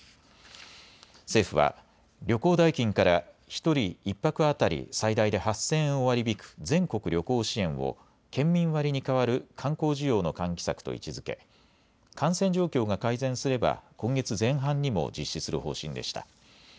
政府は旅行代金から１人１泊当たり最大で８０００円を割り引く全国旅行支援を県民割に代わる観光需要の喚起策と位置づけ、感染状況が改善すれば今月前半にも実施する方針でした。